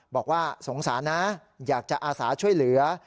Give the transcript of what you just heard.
บอกว่าสงสารนะอยากจะอาสาช่วยเหลือ